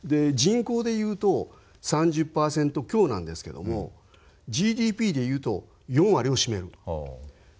人口でいうと３０％強なんですけどＧＤＰでいうと４割を占める。